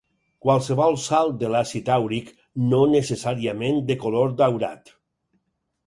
Qualsevol sal de l'àcid àuric, no necessàriament de color daurat.